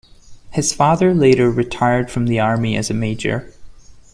His father later retired from the army as a major.